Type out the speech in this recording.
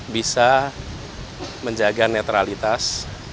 bisa menjaga netralitas